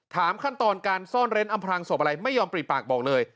ขั้นตอนการซ่อนเร้นอำพลังศพอะไรไม่ยอมปรีปากบอกเลย